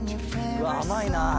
「うわっ甘いな」